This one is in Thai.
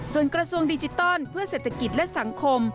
ส่วนกระทรวงดิจิตอลเพื่อเศรษฐกิจและสังคม